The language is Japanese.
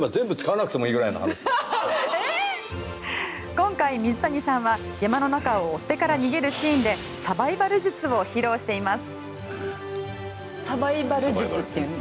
今回、水谷さんは山の中を追手から逃げるシーンでサバイバル術を披露しています。